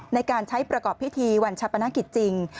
ในการใช้ประกอบพิธีวันชาปนกิจจริง